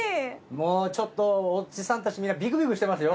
もうちょっとおじさんたちみんなビクビクしてますよ。